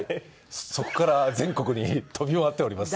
そこから全国に飛び回っております。